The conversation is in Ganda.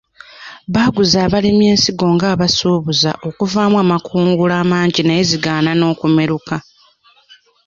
Baguza abalimi ensigo nga basuubiza okuvaamu amakungula amangi naye zigaana n'okumeruka.